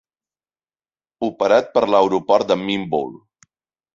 Operat per l'aeroport de Minvoul.